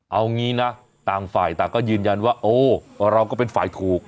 เอางี้นะต่างฝ่ายต่างก็ยืนยันว่าโอ้เราก็เป็นฝ่ายถูก